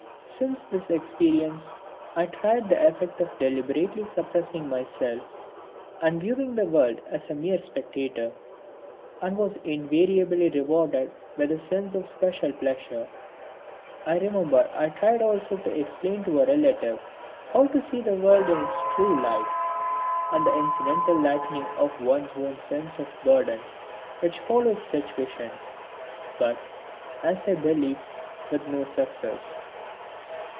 Since this experience I tried the effect of deliberately suppressing my self and viewing the world as a mere spectator, and was invariably rewarded with a sense of special pleasure. I remember I tried also to explain to a relative how to see the world in its true light, and the incidental lightening of one's own sense of burden which follows such vision; but, as I believe, with no success.